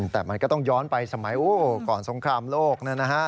แต่มันก็ต้องย้อนไปสมัยก่อนสงครามโลกนะฮะ